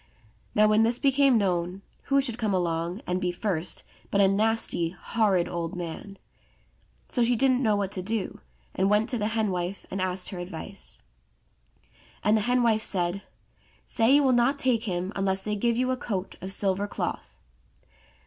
Now when this became known, who should come along and be first but a nasty, horrid, old man. So she didn't know what to do, and went to the hen wife and asked her advice. And the hen wife said, *'Say you will not take him unless they give you a coat of silver cloth."